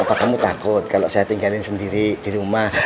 apa kamu takut kalau saya tinggalin sendiri di rumah